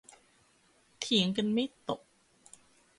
เถียงกันไม่ตก